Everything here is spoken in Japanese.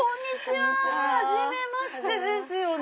はじめましてですよね？